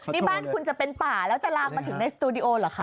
นี่บ้านคุณจะเป็นป่าแล้วจะลามมาถึงในสตูดิโอเหรอคะ